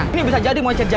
ini bisa jadi monyet cerdia